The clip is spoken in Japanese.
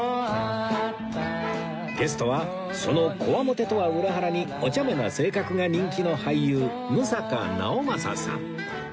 ゲストはそのこわもてとは裏腹におちゃめな性格が人気の俳優六平直政さん